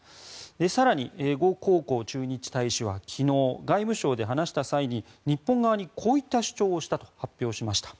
更にゴ・コウコウ駐日大使は昨日、外務省で話した際に日本側にこういった主張をしたと発表しました。